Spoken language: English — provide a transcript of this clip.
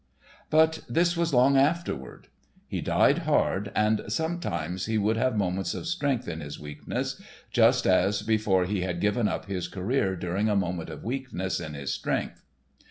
But this was long afterward. He died hard, and sometimes he would have moments of strength in his weakness, just as before he had given up his career during a moment of weakness in his strength.